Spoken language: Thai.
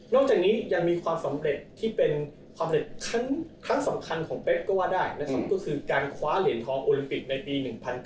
นอกจากนี้ยังมีความสำเร็จที่เป็นความสำคัญของเป๊บก็ว่าได้นะครับก็คือการคว้าเหลียนทองโอลิมปิต์ในปี๑๙๙๒